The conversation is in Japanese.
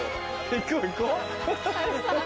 行こう行こう。